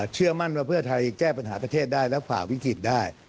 เชื่อมั่นว่าเพื่อไทยแก้ปัญหาประเทศได้และฝ่าวิกฤตได้